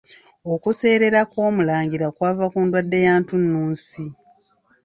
Okuseerera kw'Omulangira kwava ku ndwadde ya ntunnunsi.